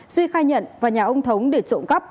duy khai nhận và nhà ông thống để trộn cắp